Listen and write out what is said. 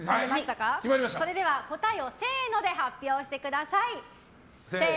それでは答えをせーので発表してください。